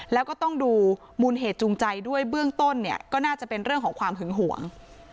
แล้วก็ต้องดูมูลเหตุจูงใจด้วยเบื้องต้นเนี่ยก็น่าจะเป็นเรื่องของความหึงหวง